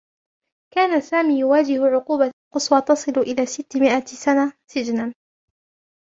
كان سامي يواجه عقوبة قصوى تصل إلى ستّ مئة سنة سجنا.